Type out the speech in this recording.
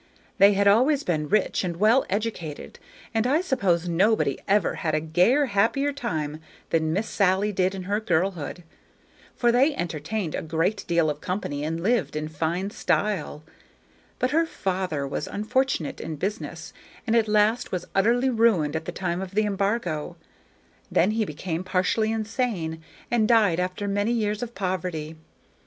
They had always been rich and well educated, and I suppose nobody ever had a gayer, happier time than Miss Sally did in her girlhood, for they entertained a great deal of company and lived in fine style; but her father was unfortunate in business, and at last was utterly ruined at the time of the embargo; then he became partially insane, and died after many years of poverty.